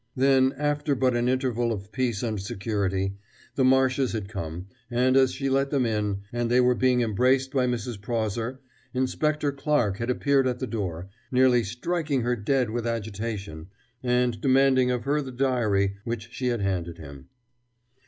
Then, after but an interval of peace and security, the Marshes had come, and as she let them in, and they were being embraced by Mrs. Prawser, Inspector Clarke had appeared at the door, nearly striking her dead with agitation, and demanding of her the diary, which she had handed him.